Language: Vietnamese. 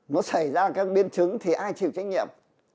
nó xảy ra các biến chứng thì ai chịu trách nhiệm